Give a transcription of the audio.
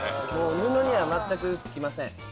もう布には全くつきません